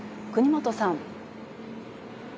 國本さん。